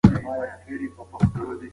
که سنکس ښه بستهبندي نه وي، خوند یې خرابېږي.